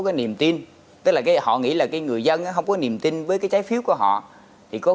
cái niềm tin tức là họ nghĩ là cái người dân không có niềm tin với cái trái phiếu của họ thì có